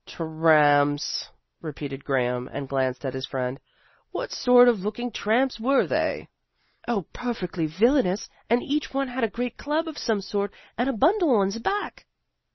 "Tramps," repeated Graham, and glanced at his friend. "What sort of looking chaps were they?" "Oh, perfectly villainous. And each one had a great club of some sort and a bundle on his back."